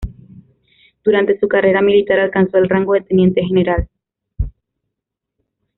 Durante su carrera militar alcanzó el rango de Teniente General.